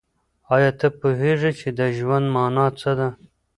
آیا ته پوهېږې چې د ژوند مانا څه ده؟